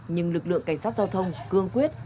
nhưng lực lượng cảnh sát giao thông cương quyết